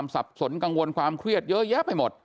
สับสนกังวลความเครียดเยอะแยะไปหมด